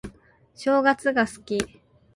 正月が好き